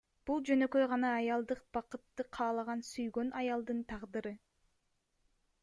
Бул жөнөкөй гана аялдык бакытты каалаган сүйгөн аялдын тагдыры.